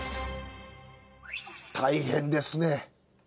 大変ですね。